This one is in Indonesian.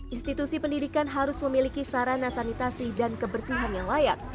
institusi pendidikan harus memiliki sarana sanitasi dan kebersihan yang layak